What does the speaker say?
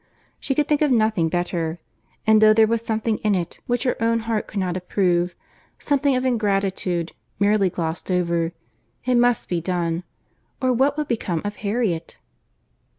She could think of nothing better: and though there was something in it which her own heart could not approve—something of ingratitude, merely glossed over—it must be done, or what would become of Harriet?